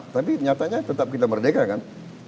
tapi nyatanya tetap kita merdeka kan